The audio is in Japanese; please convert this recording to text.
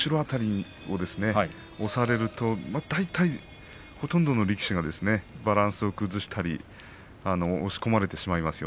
そこを押されると大体ほとんどの力士がバランスを崩したあと押し込まれてしまいます。